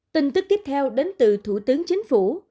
tin tức tiếp theo đến từ thủ tướng chính phủ